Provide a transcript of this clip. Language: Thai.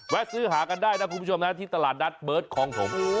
ซื้อหากันได้นะคุณผู้ชมนะที่ตลาดนัดเบิร์ตของผม